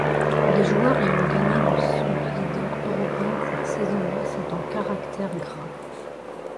Les joueurs ayant gagné le Soulier d'or européen cette saison-là sont en caractère gras.